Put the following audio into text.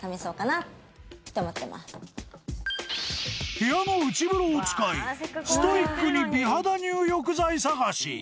［部屋の内風呂を使いストイックに美肌入浴剤探し］